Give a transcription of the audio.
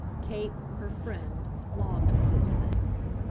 Kate, her friend, longed for this thing.